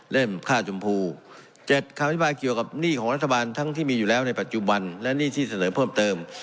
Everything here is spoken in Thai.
ค่าชมพู๗คำอธิบายเกี่ยวกับหนี้ของรัฐบาลทั้งที่มีอยู่แล้วในปัจจุบันและหนี้ที่เสนอเพิ่มเติม